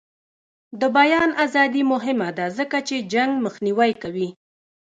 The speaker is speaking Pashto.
د بیان ازادي مهمه ده ځکه چې جنګ مخنیوی کوي.